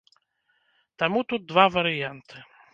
Таму тут два варыянты.